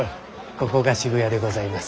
ここが渋谷でございます。